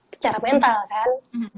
secara mental kan